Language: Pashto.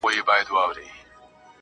دا چي انجوني ټولي ژاړي سترگي سرې دي.